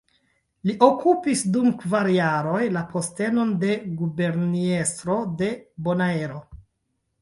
Li okupis dum kvar jaroj la postenon de Guberniestro de Bonaero.